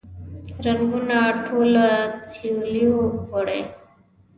رنګونه ټوله سیلیو وړي